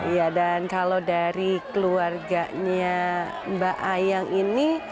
iya dan kalau dari keluarganya mbak ayang ini